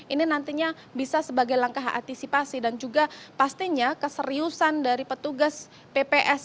ini nantinya bisa sebagai langkah antisipasi dan juga pastinya keseriusan dari petugas pps